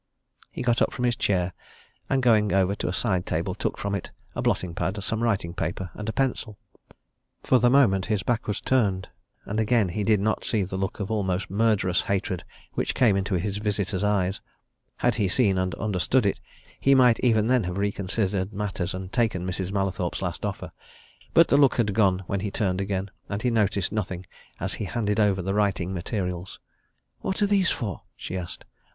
He got up from his chair, and going over to a side table took from it a blotting pad, some writing paper and a pencil. For the moment his back was turned and again he did not see the look of almost murderous hatred which came into his visitor's eyes; had he seen and understood it, he might even then have reconsidered matters and taken Mrs. Mallathorpe's last offer. But the look had gone when he turned again, and he noticed nothing as he handed over the writing materials. "What are these for?" she asked.